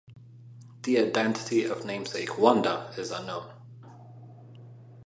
The identity of namesake Wanda is unknown.